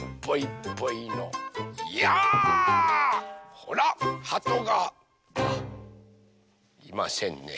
ほらはとがいませんね。